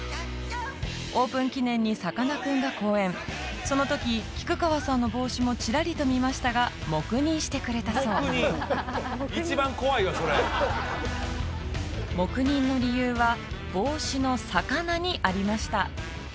オープン記念にさかなクンが講演そのとき菊川さんの帽子もちらりと見ましたが黙認してくれたそうそれ黙認の理由は帽子の魚にありました